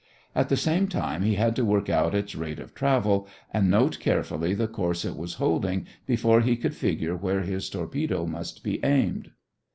At the same time he had to work out its rate of travel and note carefully the course it was holding before he could figure where his torpedo must be aimed.